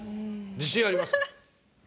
自信ありますか？